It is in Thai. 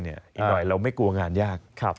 อีกหน่อยเราไม่กลัวงานยาก